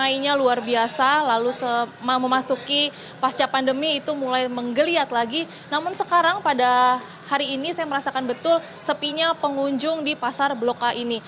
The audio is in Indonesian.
ini saya merasakan betul sepinya pengunjung di pasar blok a ini